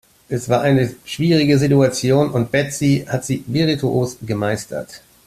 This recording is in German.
Es war eine schwierige Situation und Betsy hat sie virtuos gemeistert.